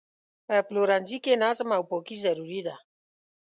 په پلورنځي کې نظم او پاکي ضروري ده.